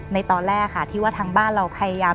ในตอนแรกค่ะที่ว่าทางบ้านเราพยายาม